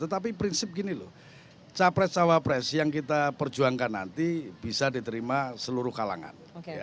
tetapi prinsip gini loh capres cawapres yang kita perjuangkan nanti bisa diterima seluruh kalangan